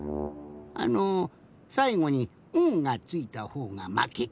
あのさいごに「ん」がついたほうがまけってやつ。